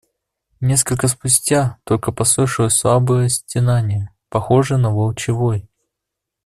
Несколько спустя только послышалось слабое стенание, похожее на волчий вой.